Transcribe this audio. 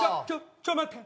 ちょっと待って。